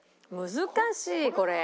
難しいこれ。